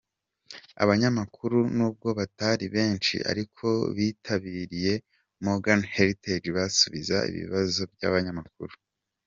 Abanyamakuru nubwo batari benshi ariko bitabiriyeMorgan Hertage basubiza ibibazo by'abanyamakuru .